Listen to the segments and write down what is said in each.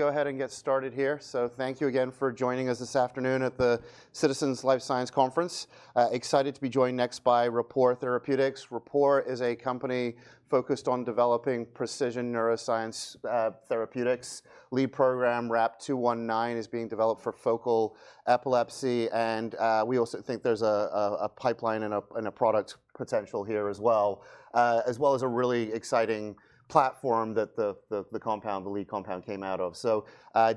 Go ahead and get started here. Thank you again for joining us this afternoon at the Citizens Life Science Conference. Excited to be joined next by Rapport Therapeutics. Rapport is a company focused on developing precision neuroscience therapeutics. Lead program RAP-219 is being developed for Focal Epilepsy, and we also think there is a pipeline and a product potential here as well, as well as a really exciting platform that the compound, the lead compound, came out of.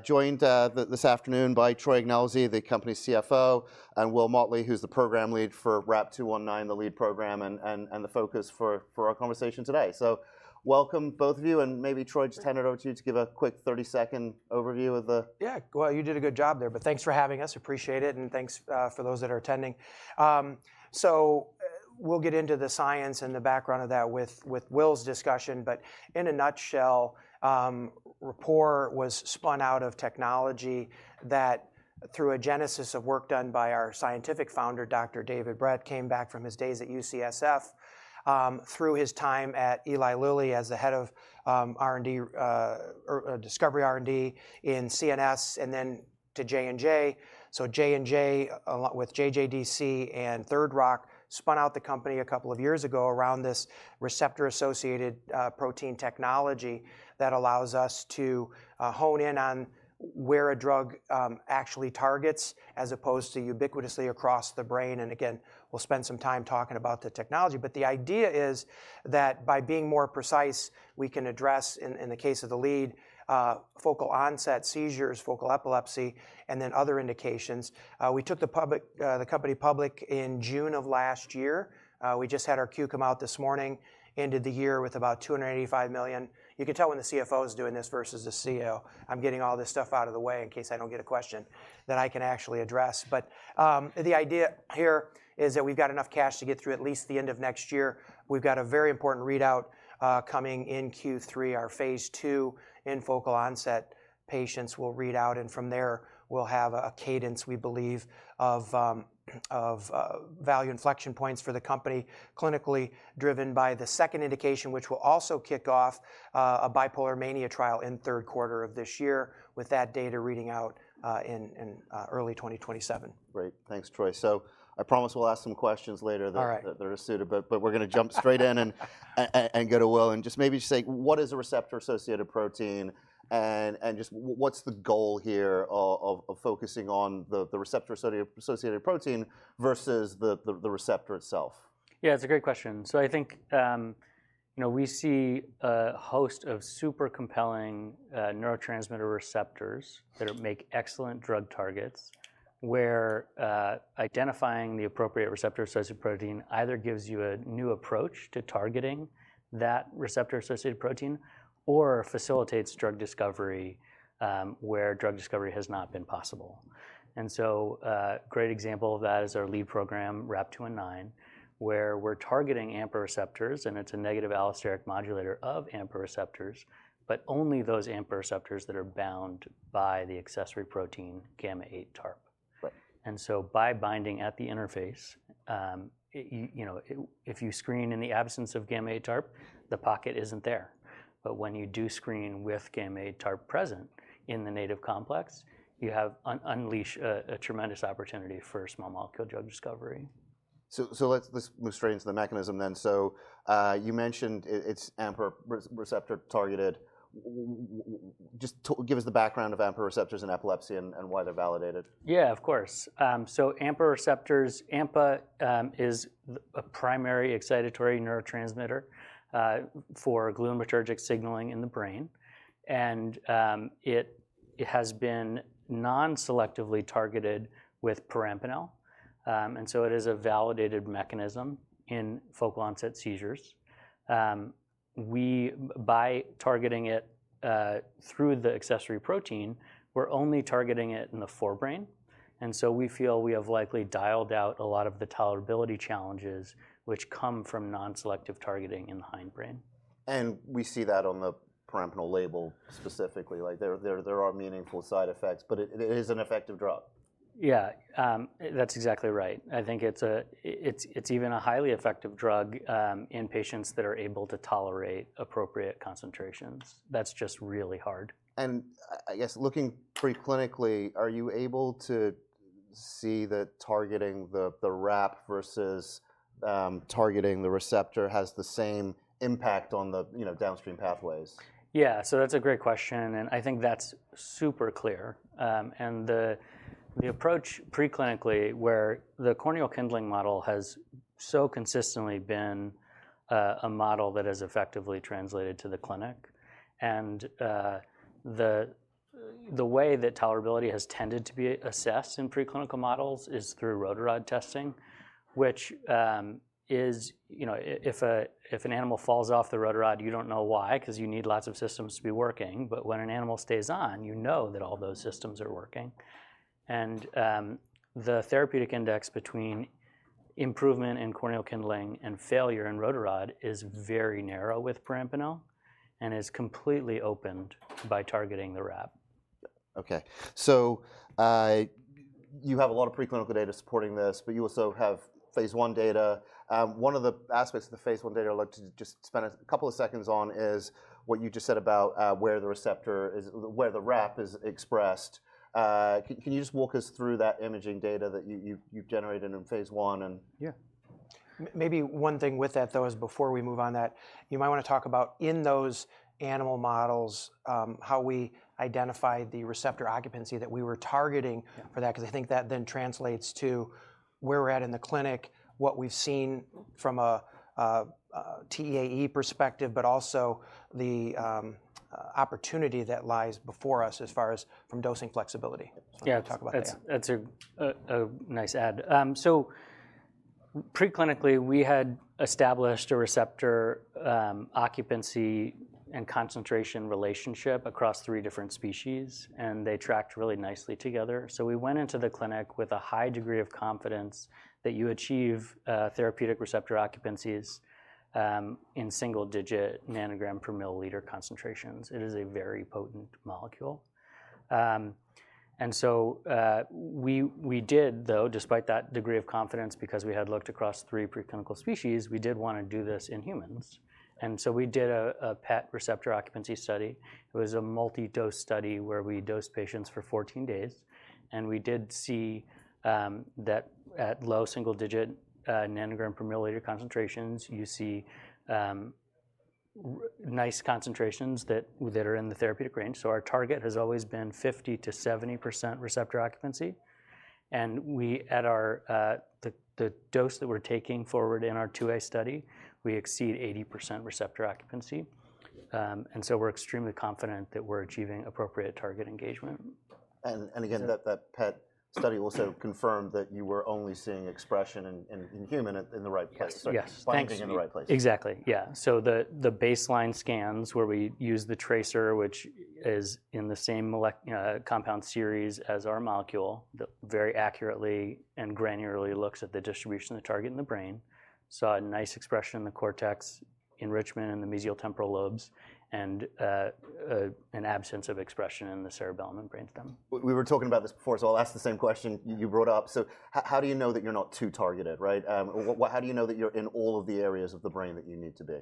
Joined this afternoon by Troy Ignelzi, the company's CFO, and Will Motley, who is the program lead for RAP-219, the lead program and the focus for our conversation today. Welcome both of you, and maybe Troy, just hand it over to you to give a quick 30-second overview of the. Yeah, you did a good job there, but thanks for having us. Appreciate it, and thanks for those that are attending. We'll get into the science and the background of that with Will's discussion, but in a nutshell, Rapport was spun out of technology that, through a genesis of work done by our scientific founder, Dr. David Bredt, came back from his days at UCSF, through his time at Eli Lilly as the head of R&D, discovery R&D in CNS, and then to J&J. J&J, along with JJDC and Third Rock, spun out the company a couple of years ago around this receptor-associated protein technology that allows us to hone in on where a drug actually targets, as opposed to ubiquitously across the brain. Again, we'll spend some time talking about the technology, but the idea is that by being more precise, we can address, in the case of the lead, focal onset seizures, focal epilepsy, and then other indications. We took the company public in June of last year. We just had our Q come out this morning, ended the year with about $285 million. You can tell when the CFO is doing this versus the CEO. I'm getting all this stuff out of the way in case I don't get a question that I can actually address. The idea here is that we've got enough cash to get through at least the end of next year. We've got a very important readout coming in Q3, our phase II in focal onset patients will read out, and from there we'll have a cadence, we believe, of value inflection points for the company, clinically driven by the second indication, which will also kick off a bipolar mania trial in third quarter of this year, with that data reading out in early 2027. Great. Thanks, Troy. I promise we'll ask some questions later that are suited, but we're going to jump straight in and go to Will and just maybe say, what is a receptor-associated protein and just what's the goal here of focusing on the receptor-associated protein versus the receptor itself? Yeah, that's a great question. I think we see a host of super compelling neurotransmitter receptors that make excellent drug targets, where identifying the appropriate receptor-associated protein either gives you a new approach to targeting that receptor-associated protein or facilitates drug discovery where drug discovery has not been possible. A great example of that is our lead program, RAP-219, where we're targeting AMPA receptors, and it's a negative allosteric modulator of AMPA receptors, but only those AMPA receptors that are bound by the accessory protein, gamma-8 TARP. By binding at the interface, if you screen in the absence of gamma-8 TARP, the pocket isn't there. When you do screen with gamma-8 TARP present in the native complex, you have unleashed a tremendous opportunity for small molecule drug discovery. Let's move straight into the mechanism then. You mentioned it's AMPA receptor targeted. Just give us the background of AMPA receptors in epilepsy and why they're validated. Yeah, of course. AMPA receptors, AMPA is a primary excitatory neurotransmitter for glutamatergic signaling in the brain, and it has been non-selectively targeted with perampanel. It is a validated mechanism in focal onset seizures. By targeting it through the accessory protein, we're only targeting it in the forebrain. We feel we have likely dialed out a lot of the tolerability challenges which come from non-selective targeting in the hindbrain. We see that on the perampanel label specifically. There are meaningful side effects, but it is an effective drug. Yeah, that's exactly right. I think it's even a highly effective drug in patients that are able to tolerate appropriate concentrations. That's just really hard. I guess looking preclinically, are you able to see that targeting the RAP versus targeting the receptor has the same impact on the downstream pathways? Yeah, so that's a great question, and I think that's super clear. The approach preclinically, where the corneal kindling model has so consistently been a model that has effectively translated to the clinic, and the way that tolerability has tended to be assessed in preclinical models is through rotor rod testing, which is if an animal falls off the rotor rod, you don't know why, because you need lots of systems to be working, but when an animal stays on, you know that all those systems are working. The therapeutic index between improvement in corneal kindling and failure in rotor rod is very narrow with perampanel and is completely opened by targeting the RAP. Okay. So you have a lot of preclinical data supporting this, but you also have phase I data. One of the aspects of the phase I data I'd like to just spend a couple of seconds on is what you just said about where the receptor, where the RAP is expressed. Can you just walk us through that imaging data that you've generated in phase I? Yeah. Maybe one thing with that, though, is before we move on that, you might want to talk about in those animal models how we identified the receptor occupancy that we were targeting for that, because I think that then translates to where we're at in the clinic, what we've seen from a TEAE perspective, but also the opportunity that lies before us as far as from dosing flexibility. Talk about that. Yeah, that's a nice add. Preclinically, we had established a receptor occupancy and concentration relationship across three different species, and they tracked really nicely together. We went into the clinic with a high degree of confidence that you achieve therapeutic receptor occupancies in single-digit nanogram per milliliter concentrations. It is a very potent molecule. We did, though, despite that degree of confidence, because we had looked across three preclinical species, want to do this in humans. We did a PET receptor occupancy study. It was a multi-dose study where we dosed patients for 14 days, and we did see that at low single-digit nanogram per milliliter concentrations, you see nice concentrations that are in the therapeutic range. Our target has always been 50%-70% receptor occupancy, and at the dose that we're taking forward in our two-way study, we exceed 80% receptor occupancy. We're extremely confident that we're achieving appropriate target engagement. That PET study also confirmed that you were only seeing expression in human in the right place. Yes. Signs in the right place. Exactly. Yeah. So the baseline scans where we use the tracer, which is in the same compound series as our molecule, very accurately and granularly looks at the distribution of the target in the brain, saw a nice expression in the cortex, enrichment in the mesial temporal lobes, and an absence of expression in the cerebellum and brainstem. We were talking about this before, so I'll ask the same question you brought up. How do you know that you're not too targeted, right? How do you know that you're in all of the areas of the brain that you need to be?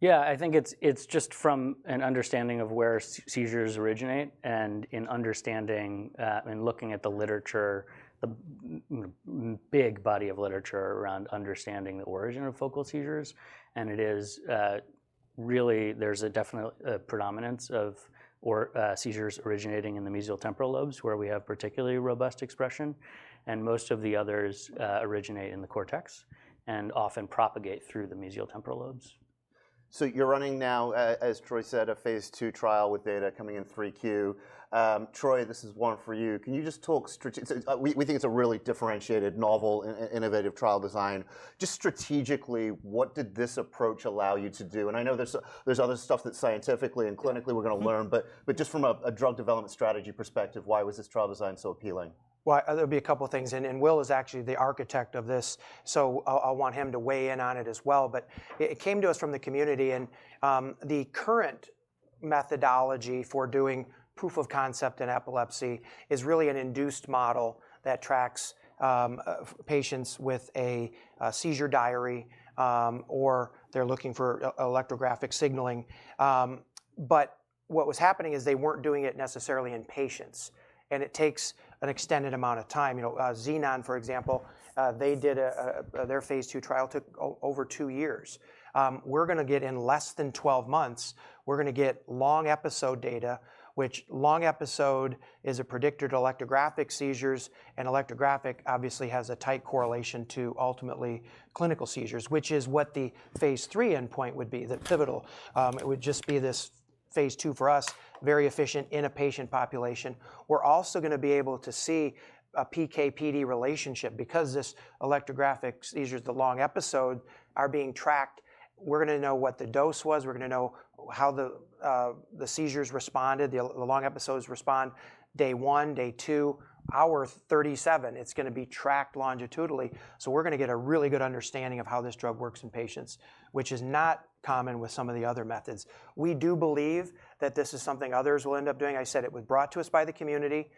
Yeah, I think it's just from an understanding of where seizures originate and in understanding, in looking at the literature, the big body of literature around understanding the origin of focal seizures. It is really, there's a predominance of seizures originating in the mesial temporal lobes, where we have particularly robust expression, and most of the others originate in the cortex and often propagate through the mesial temporal lobes. You're running now, as Troy said, a phase II trial with data coming in 3Q. Troy, this is one for you. Can you just talk? We think it's a really differentiated, novel, innovative trial design. Just strategically, what did this approach allow you to do? I know there's other stuff that scientifically and clinically we're going to learn, but just from a drug development strategy perspective, why was this trial design so appealing? There'll be a couple of things, and Will is actually the architect of this, so I'll want him to weigh in on it as well. It came to us from the community, and the current methodology for doing proof of concept in epilepsy is really an induced model that tracks patients with a seizure diary or they're looking for electrographic signaling. What was happening is they weren't doing it necessarily in patients, and it takes an extended amount of time. Xenon, for example, did their phase II trial, took over two years. We're going to get in less than 12 months. We're going to get long-episode data, which long-episode is a predictor to electrographic seizures, and electrographic obviously has a tight correlation to ultimately clinical seizures, which is what the phase III endpoint would be, the pivotal. It would just be this phase II for us, very efficient in a patient population. We're also going to be able to see a PK/PD relationship because these electrographic seizures, the long-episode, are being tracked. We're going to know what the dose was. We're going to know how the seizures responded, the long-episodes respond, day one, day two, hour 37. It's going to be tracked longitudinally. We're going to get a really good understanding of how this drug works in patients, which is not common with some of the other methods. We do believe that this is something others will end up doing. I said it was brought to us by the community.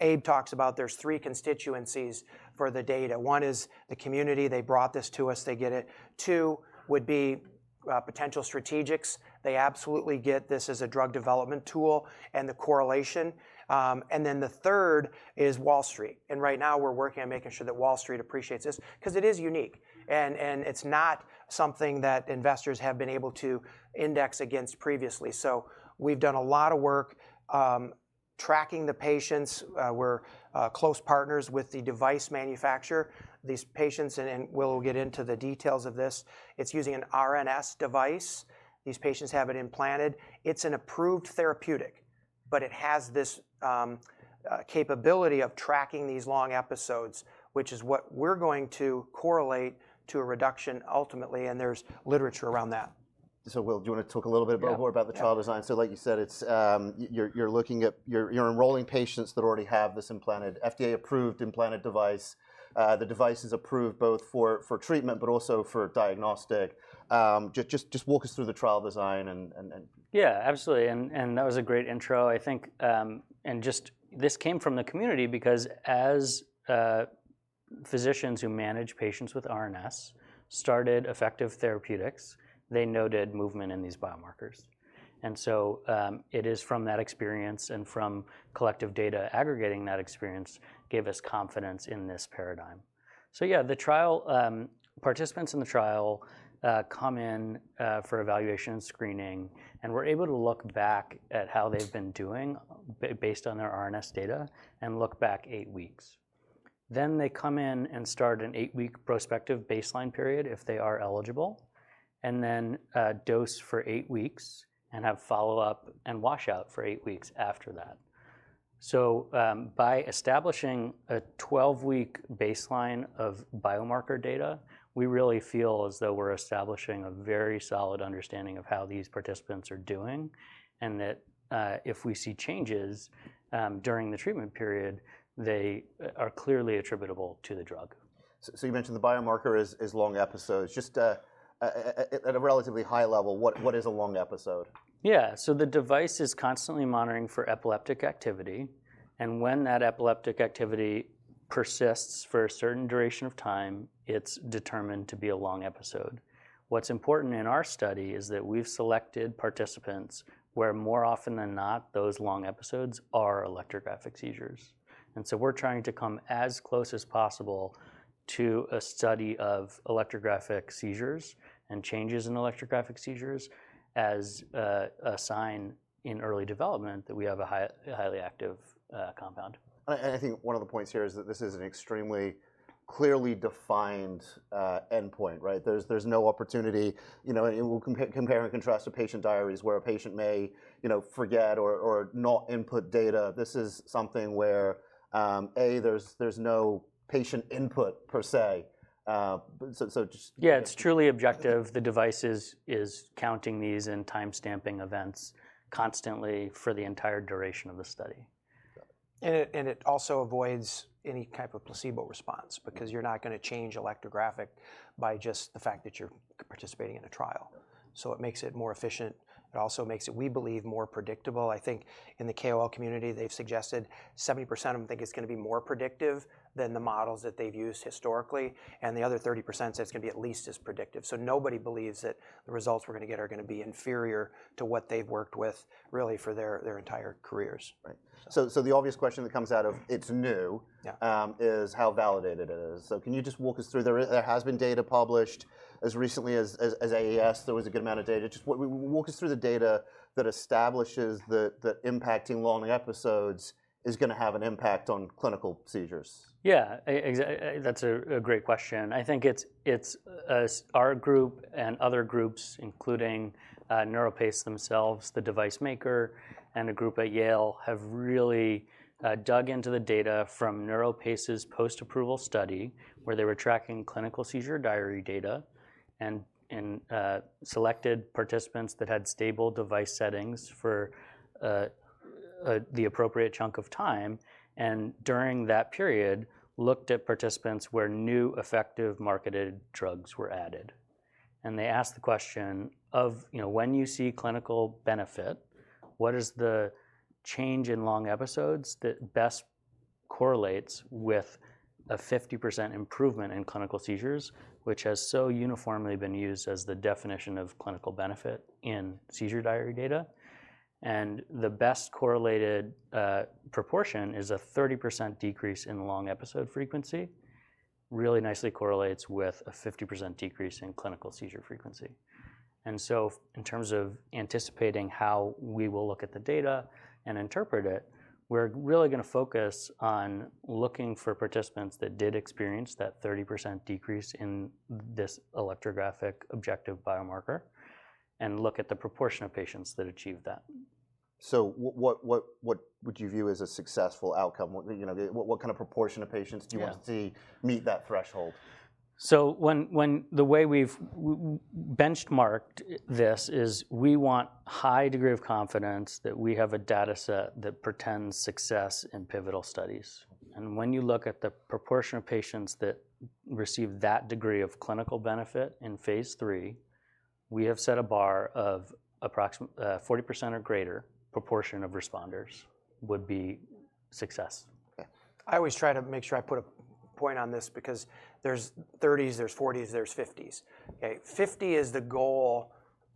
Abe talks about there's three constituencies for the data. One is the community. They brought this to us. They get it. Two would be potential strategics. They absolutely get this as a drug development tool and the correlation. The third is Wall Street. Right now we're working on making sure that Wall Street appreciates this because it is unique, and it's not something that investors have been able to index against previously. We've done a lot of work tracking the patients. We're close partners with the device manufacturer. These patients, and we'll get into the details of this, it's using an RNS device. These patients have it implanted. It's an approved therapeutic, but it has this capability of tracking these long episodes, which is what we're going to correlate to a reduction ultimately, and there's literature around that. Will, do you want to talk a little bit more about the trial design? Like you said, you're enrolling patients that already have this implanted, FDA-approved implanted device. The device is approved both for treatment but also for diagnostic. Just walk us through the trial design. Yeah, absolutely. That was a great intro. I think, and just this came from the community because as physicians who manage patients with RNS started effective therapeutics, they noted movement in these biomarkers. It is from that experience and from collective data aggregating that experience gave us confidence in this paradigm. Yeah, the participants in the trial come in for evaluation and screening, and we're able to look back at how they've been doing based on their RNS data and look back eight weeks. They come in and start an eight-week prospective baseline period if they are eligible, and then dose for eight weeks and have follow-up and washout for eight weeks after that. By establishing a 12-week baseline of biomarker data, we really feel as though we're establishing a very solid understanding of how these participants are doing and that if we see changes during the treatment period, they are clearly attributable to the drug. You mentioned the biomarker is long episodes. Just at a relatively high level, what is a long episode? Yeah, so the device is constantly monitoring for epileptic activity, and when that epileptic activity persists for a certain duration of time, it's determined to be a long episode. What's important in our study is that we've selected participants where more often than not those long episodes are electrographic seizures. We're trying to come as close as possible to a study of electrographic seizures and changes in electrographic seizures as a sign in early development that we have a highly active compound. I think one of the points here is that this is an extremely clearly defined endpoint, right? There is no opportunity. We will compare and contrast to patient diaries where a patient may forget or not input data. This is something where, A, there is no patient input per se. Yeah, it's truly objective. The device is counting these and timestamping events constantly for the entire duration of the study. It also avoids any type of placebo response because you're not going to change electrographic by just the fact that you're participating in a trial. It makes it more efficient. It also makes it, we believe, more predictable. I think in the KOL community, they've suggested 70% of them think it's going to be more predictive than the models that they've used historically, and the other 30% said it's going to be at least as predictive. Nobody believes that the results we're going to get are going to be inferior to what they've worked with really for their entire careers. Right. The obvious question that comes out of it is how validated it is. Can you just walk us through? There has been data published as recently as AES, there was a good amount of data. Just walk us through the data that establishes that impacting long episodes is going to have an impact on clinical seizures. Yeah, that's a great question. I think it's our group and other groups, including NeuroPace themselves, the device maker, and a group at Yale, have really dug into the data from NeuroPace's post-approval study where they were tracking clinical seizure diary data and selected participants that had stable device settings for the appropriate chunk of time. During that period, looked at participants where new effective marketed drugs were added. They asked the question of when you see clinical benefit, what is the change in long episodes that best correlates with a 50% improvement in clinical seizures, which has so uniformly been used as the definition of clinical benefit in seizure diary data? The best correlated proportion is a 30% decrease in long episode frequency, really nicely correlates with a 50% decrease in clinical seizure frequency. In terms of anticipating how we will look at the data and interpret it, we're really going to focus on looking for participants that did experience that 30% decrease in this electrographic objective biomarker and look at the proportion of patients that achieve that. What would you view as a successful outcome? What kind of proportion of patients do you want to see meet that threshold? The way we've benchmarked this is we want a high degree of confidence that we have a dataset that portends success in pivotal studies. When you look at the proportion of patients that receive that degree of clinical benefit in phase III, we have set a bar of approximately 40% or greater proportion of responders would be success. I always try to make sure I put a point on this because there's 30s, there's 40s, there's 50s. 50 is the goal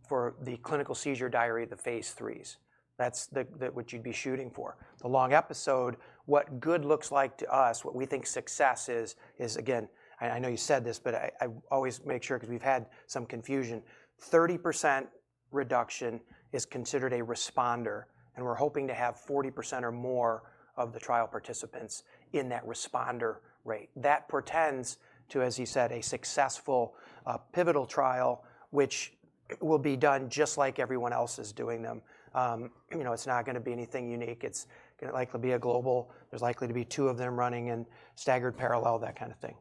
for the clinical seizure diary, the phase IIIs. That's what you'd be shooting for. The long episode, what good looks like to us, what we think success is, is again, I know you said this, but I always make sure because we've had some confusion. 30% reduction is considered a responder, and we're hoping to have 40% or more of the trial participants in that responder rate. That portends to, as you said, a successful pivotal trial, which will be done just like everyone else is doing them. It's not going to be anything unique. It's going to likely be a global. There's likely to be two of them running in staggered parallel, that kind of thing.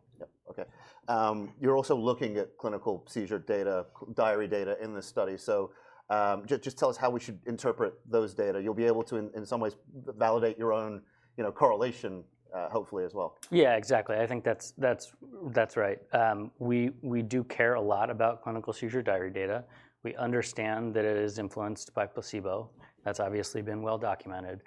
Yep. Okay. You're also looking at clinical seizure data, diary data in this study. Just tell us how we should interpret those data. You'll be able to, in some ways, validate your own correlation hopefully as well. Yeah, exactly. I think that's right. We do care a lot about clinical seizure diary data. We understand that it is influenced by placebo. That's obviously been well documented.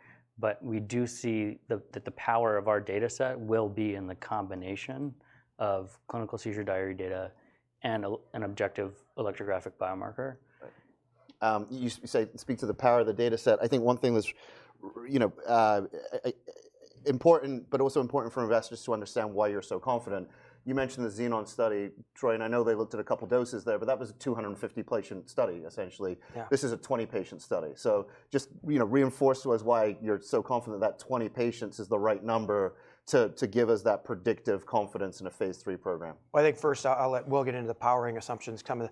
We do see that the power of our dataset will be in the combination of clinical seizure diary data and an objective electrographic biomarker. You say speak to the power of the dataset. I think one thing that's important, but also important for investors to understand why you're so confident. You mentioned the Xenon study, Troy, and I know they looked at a couple of doses there, but that was a 250-patient study, essentially. This is a 20-patient study. Just reinforce to us why you're so confident that 20 patients is the right number to give us that predictive confidence in a phase III program. I think first I'll let Will get into the powering assumptions coming,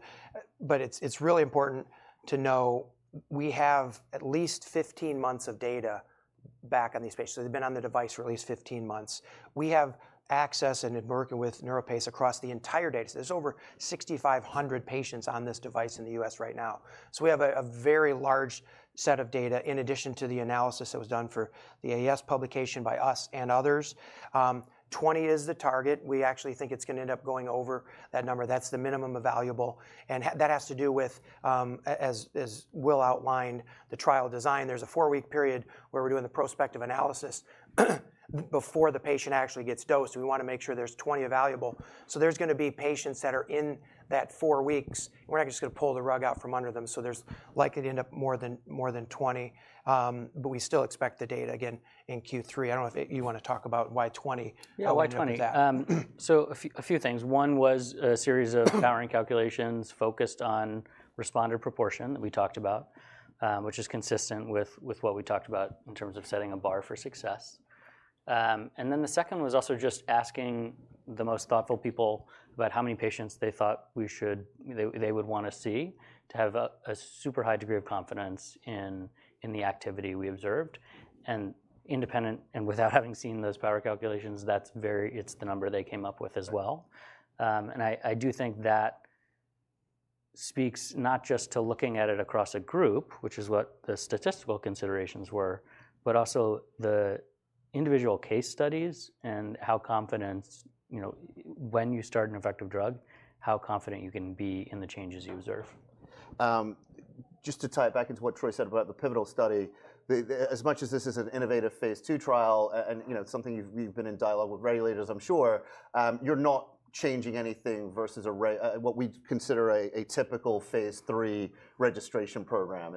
but it's really important to know we have at least 15 months of data back on these patients. They've been on the device for at least 15 months. We have access and have been working with NeuroPace across the entire data. There's over 6,500 patients on this device in the U.S. right now. We have a very large set of data in addition to the analysis that was done for the AES publication by us and others. 20 is the target. We actually think it's going to end up going over that number. That's the minimum available. That has to do with, as Will outlined, the trial design. There's a four-week period where we're doing the prospective analysis before the patient actually gets dosed. We want to make sure there's 20 available. There's going to be patients that are in that four weeks. We're not just going to pull the rug out from under them. There's likely to end up more than 20, but we still expect the data again in Q3. I don't know if you want to talk about why 20. Yeah, why 20? A few things. One was a series of powering calculations focused on responder proportion that we talked about, which is consistent with what we talked about in terms of setting a bar for success. The second was also just asking the most thoughtful people about how many patients they thought they would want to see to have a super high degree of confidence in the activity we observed. Independent and without having seen those power calculations, that is very, it's the number they came up with as well. I do think that speaks not just to looking at it across a group, which is what the statistical considerations were, but also the individual case studies and how confident, when you start an effective drug, how confident you can be in the changes you observe. Just to tie it back into what Troy said about the pivotal study, as much as this is an innovative phase II trial and something you've been in dialogue with regulators, I'm sure you're not changing anything versus what we consider a typical phase III registration program.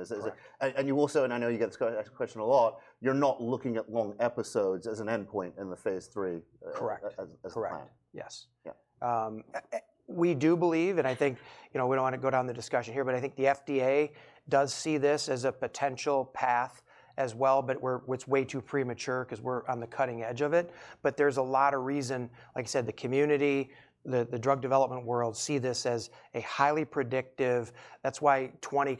You also, and I know you get this question a lot, you're not looking at long episodes as an endpoint in the phase III. Correct. Yes. We do believe, and I think we don't want to go down the discussion here, but I think the FDA does see this as a potential path as well. It's way too premature because we're on the cutting edge of it. There's a lot of reason, like I said, the community, the drug development world see this as highly predictive. That's why, 20,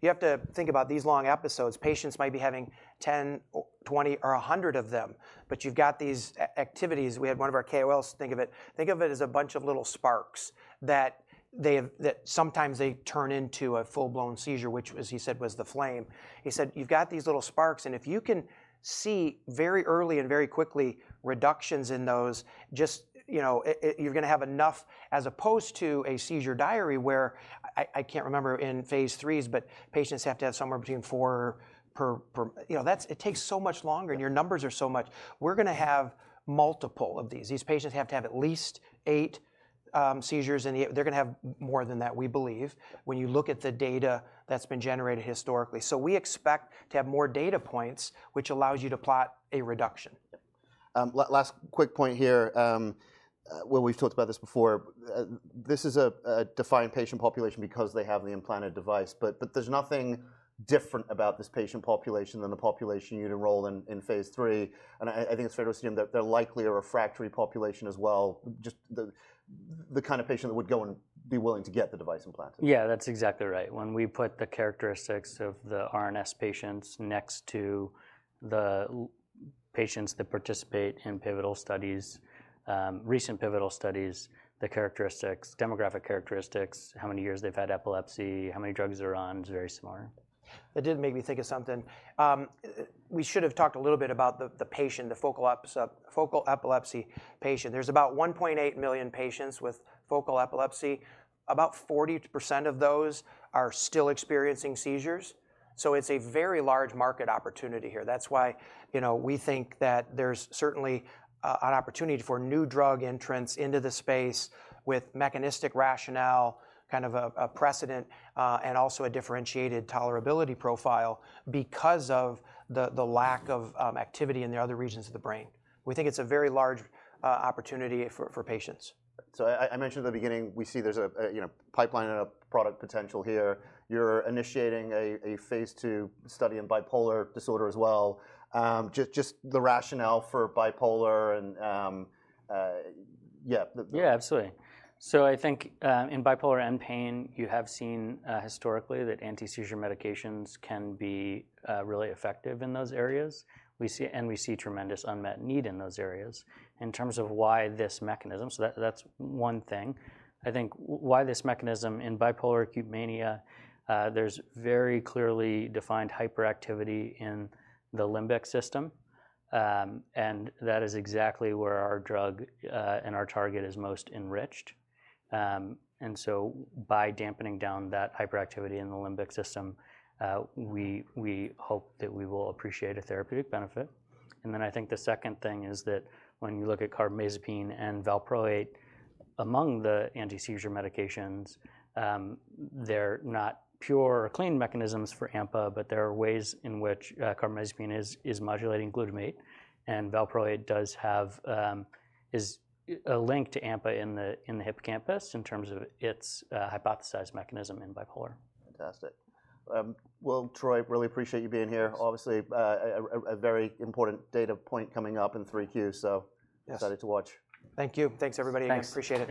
you have to think about these long episodes. Patients might be having 10, 20, or 100 of them, but you've got these activities. We had one of our KOLs think of it as a bunch of little sparks that sometimes they turn into a full-blown seizure, which, as he said, was the flame. He said, you've got these little sparks, and if you can see very early and very quickly reductions in those, just you're going to have enough as opposed to a seizure diary where I can't remember in phase IIIs, but patients have to have somewhere between four. It takes so much longer and your numbers are so much. We're going to have multiple of these. These patients have to have at least eight seizures, and they're going to have more than that, we believe, when you look at the data that's been generated historically. We expect to have more data points, which allows you to plot a reduction. Last quick point here. We've talked about this before. This is a defined patient population because they have the implanted device, but there's nothing different about this patient population than the population you'd enroll in phase III. I think it's fair to assume that they're likely a refractory population as well, just the kind of patient that would go and be willing to get the device implanted. Yeah, that's exactly right. When we put the characteristics of the RNS patients next to the patients that participate in pivotal studies, recent pivotal studies, the characteristics, demographic characteristics, how many years they've had epilepsy, how many drugs they're on is very similar. That did make me think of something. We should have talked a little bit about the patient, the focal epilepsy patient. There are about 1.8 million patients with focal epilepsy. About 40% of those are still experiencing seizures. It is a very large market opportunity here. That is why we think that there is certainly an opportunity for new drug entrance into the space with mechanistic rationale, kind of a precedent, and also a differentiated tolerability profile because of the lack of activity in the other regions of the brain. We think it is a very large opportunity for patients. I mentioned at the beginning, we see there's a pipeline and a product potential here. You're initiating a phase II study in bipolar disorder as well. Just the rationale for bipolar and yeah. Yeah, absolutely. I think in bipolar and pain, you have seen historically that anti-seizure medications can be really effective in those areas. We see tremendous unmet need in those areas. In terms of why this mechanism, that is one thing. I think why this mechanism in bipolar acute mania, there is very clearly defined hyperactivity in the limbic system. That is exactly where our drug and our target is most enriched. By dampening down that hyperactivity in the limbic system, we hope that we will appreciate a therapeutic benefit. I think the second thing is that when you look at carbamazepine and valproate among the anti-seizure medications, they are not pure or clean mechanisms for AMPA, but there are ways in which carbamazepine is modulating glutamate. Valproate does have a link to AMPA in the hippocampus in terms of its hypothesized mechanism in bipolar. Fantastic. Will, Troy, really appreciate you being here. Obviously, a very important data point coming up in 3Q, so excited to watch. Thank you. Thanks, everybody. Appreciate it.